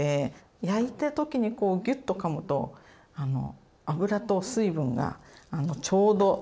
焼いた時にこうギュッとかむと油と水分がちょうど何て言うんだろう